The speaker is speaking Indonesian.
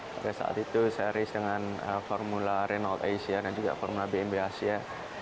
pada saat itu saya race dengan formula renault asean dan juga formula bmw asia